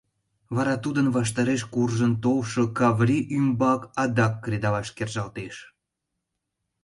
Вара тудын ваштареш куржын толшо Каври ӱмбак адак кредалаш кержалтеш.